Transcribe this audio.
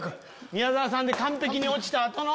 宮沢さんで完璧に落ちた後の。